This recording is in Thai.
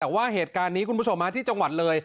แต่ว่าเหตุการณ์นี้คุณผู้ชมที่จังหวัดเลย